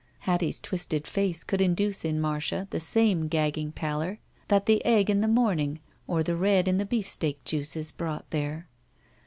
Hattie's twisted face could induce in Marda the same gagged pallor that the egg in the morning or the red in the beefsteak juices brought there.